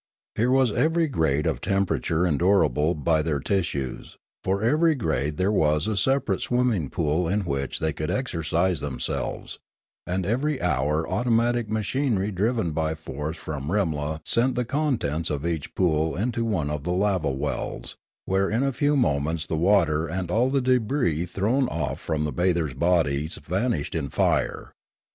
Here was every grade of temperature endurable by their tissues: for every 149 150 Limanora grade there was a separate swimming pool in which they could exercise themselves; and every hour auto matic machinery driven by force from Rimla sent the contents of each pool into one of the lava wells, where in a few moments the water and all the debris thrown off from the bathers' bodies vanished in fire.